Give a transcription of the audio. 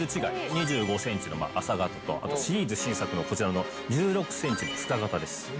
２５センチの浅型とシリーズ新作のこちらの１６センチの深型です。